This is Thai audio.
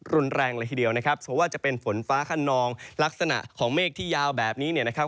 รุนแรงเลยทีเดียวนะครับเพราะว่าจะเป็นฝนฟ้าขนองลักษณะของเมฆที่ยาวแบบนี้เนี่ยนะครับ